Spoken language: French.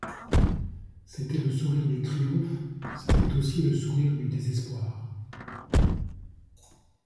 C’était le sourire du triomphe, c’était aussi le sourire du désespoir.